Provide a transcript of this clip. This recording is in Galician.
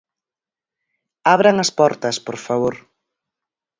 Abran as portas por favor.